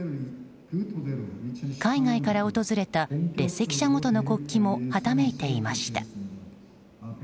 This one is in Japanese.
海外から訪れた列席者ごとの国旗もはためいていました。